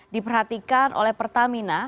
diperhatikan oleh pertamina